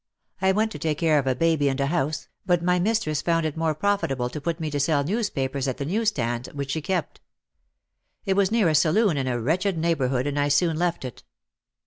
I went to take care of a baby and a house but my mistress found it more profitable to put me to sell newspapers at the newsstand which she kept. It was near a saloon in a wretched neighbourhood and I soon left it.